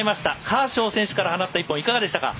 カーショー選手から放った１本、いかがでしたか？